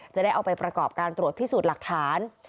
จะได้เอาไปประกอบการตรวจพิสูจน์หลักฐาน